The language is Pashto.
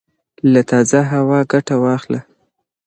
له تازه هوا ګټه واخله